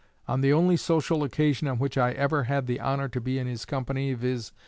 On the only social occasion on which I ever had the honor to be in his company, viz.